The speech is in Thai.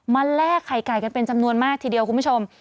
แลกไข่ไก่กันเป็นจำนวนมากทีเดียวคุณผู้ชม